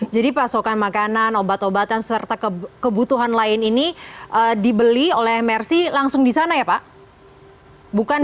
jadi pasokan makanan obat obatan serta kebutuhan lain ini dibeli oleh mrc langsung di sana ya pak